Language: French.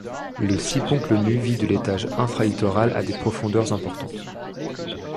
Le siponcle nu vit de l'étage infralitoral à des profondeurs importantes.